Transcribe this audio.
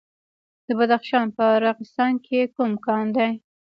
د بدخشان په راغستان کې کوم کان دی؟